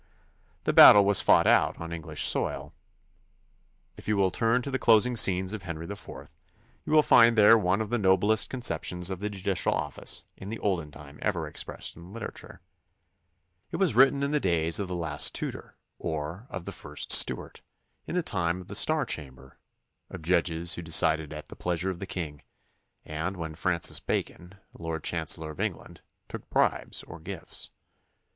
The battle was fought out on English soil. If you will turn to the closing scenes of Henry IV, you will find there one of the noblest conceptions of the judicial office in the olden time ever expressed in literature. It was written in the days of the last Tudor or of the first Stuart, in the time of the Star Chamber, of judges who decided at the pleasure of the king, and when Francis Bacon, Lord Chancellor of England, took bribes or gifts.